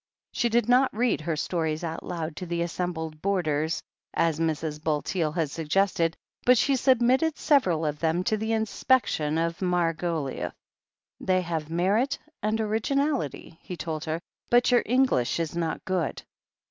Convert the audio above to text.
' She did not read her stories out loud to the assem bled boarders, as Mrs. Bulteel had suggested, but she submitted several of them to the inspection of Margo liouth. They have merit, and originality," he told her. But your English is not good."